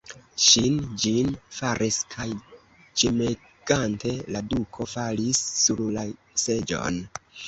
Ŝi ĝin faris, kaj ĝemegante la duko falis sur la seĝon.